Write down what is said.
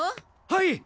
はい！